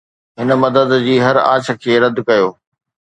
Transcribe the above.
هن مدد جي هر آڇ کي رد ڪيو